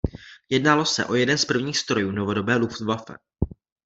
Jednalo se o jeden z prvních strojů novodobé Luftwaffe.